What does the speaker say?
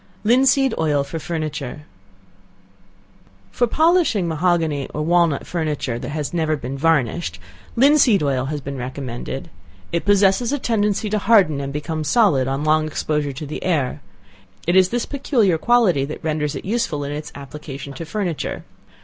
Linseed Oil for Furniture. For polishing mahogany or walnut furniture, (that has never been varnished) linseed oil has been recommended. It possesses a tendency to harden and become solid, on long exposure to the air. It is this peculiar quality that renders it useful in its application to furniture.